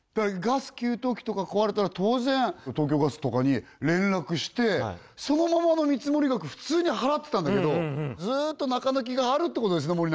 ガス給湯器とか壊れたら当然東京ガスとかに連絡してそのままの見積額普通に払ってたんだけどずっと中抜きがあるってことですね